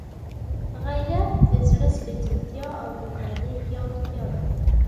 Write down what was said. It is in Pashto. غیرت د زړه سپېڅلتیا او د ارادې پیاوړتیا ده.